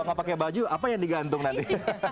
kalau gak pakai baju apa yang digantung nanti